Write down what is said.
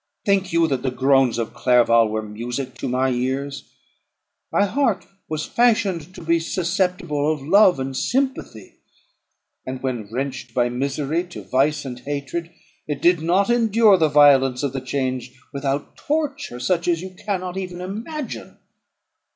Think you that the groans of Clerval were music to my ears? My heart was fashioned to be susceptible of love and sympathy; and, when wrenched by misery to vice and hatred, it did not endure the violence of the change, without torture such as you cannot even imagine.